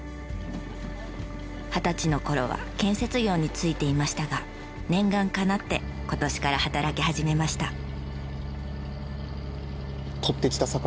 二十歳の頃は建設業に就いていましたが念願かなって今年から働き始めました。